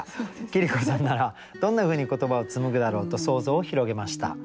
桐子さんならどんなふうに言葉を紡ぐだろうと想像を広げました。